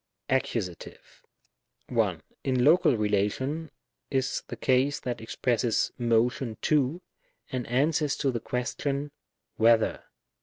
Accusative, 1. In Local relation, is the case that expresses tno tion to^ and answers to the question whether?